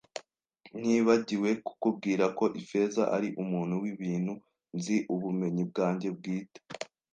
Nibagiwe kukubwira ko Ifeza ari umuntu wibintu; Nzi ubumenyi bwanjye bwite